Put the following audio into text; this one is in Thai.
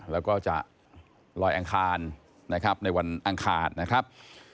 แล้วก็จะลอยอังคารนะครับในวันอังคารนะครับ